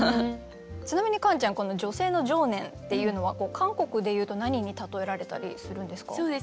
ちなみにカンちゃんこの女性の情念っていうのは韓国でいうと何に例えられたりするんですか？